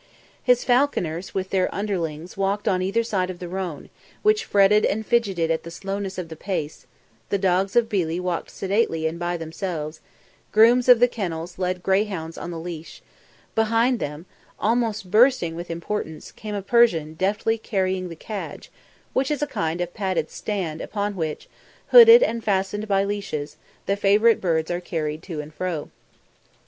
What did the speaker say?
His falconers with their underlings walked on either side of the roan, which fretted and fidgeted at the slowness of the pace; the dogs of Billi walked sedately and by themselves; grooms of the kennels led greyhounds on the leash; behind them, almost bursting with importance, came a Persian deftly carrying the cadge, which is a kind of padded stand upon which, hooded and fastened by leashes, the favourite birds are carried to and fro.